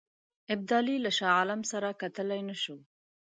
ابدالي له شاه عالم سره کتلای نه شو.